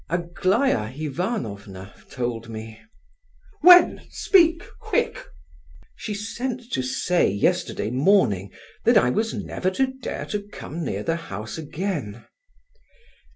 "Aglaya Ivanovna told me—" "When? Speak—quick!" "She sent to say, yesterday morning, that I was never to dare to come near the house again."